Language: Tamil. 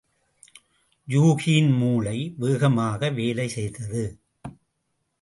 யூகியின் மூளை வேகமாக் வேலை செய்தது.